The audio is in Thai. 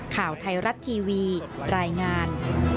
ข่าวไทยรัฐทีวีรายงาน